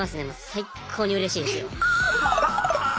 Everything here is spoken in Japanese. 最高にうれしいですよ。